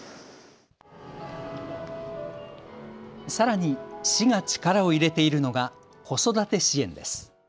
さらに市が力を入れているのが子育て支援です。